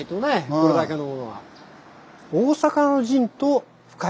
これだけのものは。え？